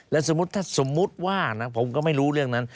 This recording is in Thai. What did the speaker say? แล้วสมมุติว่านะผมก็ไม่รู้เรื่องนั้น